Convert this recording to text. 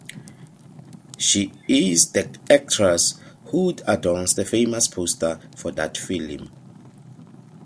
She is the actress who adorns the famous poster for that film.